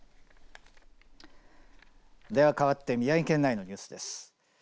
ではかわって宮城県内のニュースです。